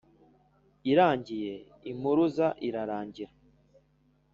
irangiye « impuruza » irarangira